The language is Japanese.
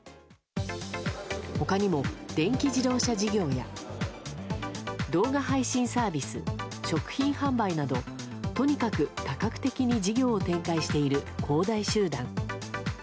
他にも電気自動車事業や動画配信サービス食品販売などとにかく多角的に事業を展開している恒大集団。